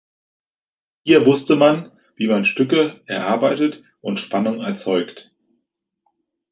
Hier wusste man, wie man Stücke erarbeitet und Spannung erzeugt.